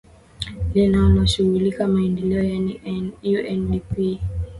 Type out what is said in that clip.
linaloshughulikia maendeleo yaani undp